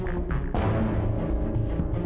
janganlah anda memiliki otak